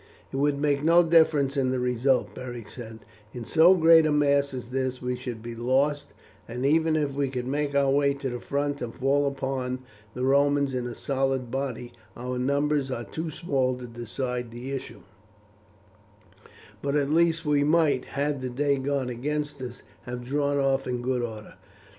"It would make no difference in the result," Beric said; "in so great a mass as this we should be lost, and even if we could make our way to the front, and fall upon the Romans in a solid body, our numbers are too small to decide the issue; but at least we might, had the day gone against us, have drawn off in good order."